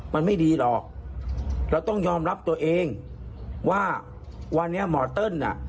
มันไม่ดีหรอกเราต้องยอมรับตัวเองว่าวันนี้หมอเติ้ลอ่ะ